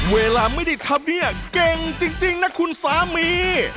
เวลาไม่ได้ทำเนี่ยเก่งจริงนะคุณสามี